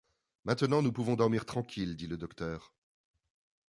Maintenant nous pouvons dormir tranquilles, dit le docteur.